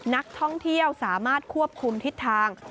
นักท่องเที่ยวสามารถควบคุมทิศทาง